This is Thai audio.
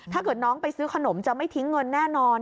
ถ้าเกิดน้องไปซื้อขนมจะไม่ทิ้งเงินแน่นอน